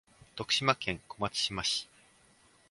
徳島県小松島市